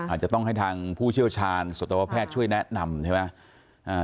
อาจจะต้องให้ทางผู้เชี่ยวชาญสัตวแพทย์ช่วยแนะนำใช่ไหม